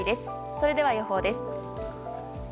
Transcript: それでは予報です。